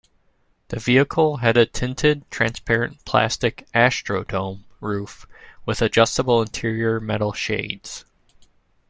The vehicle had a tinted, transparent, plastic "astrodome" roof with adjustable interior metal shades.